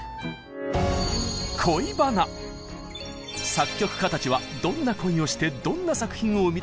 作曲家たちはどんな恋をしてどんな作品を生み出したのか。